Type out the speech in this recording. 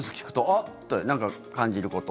ってなんか感じること。